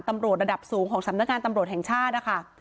ตำรวจระดับสูงของสำนักงานตำรวจแห่งชาตินะคะ